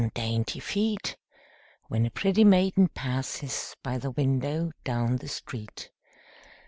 "Dainty feet!" When a pretty maiden passes By the window down the street.